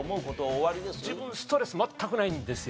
自分ストレス全くないんですよ。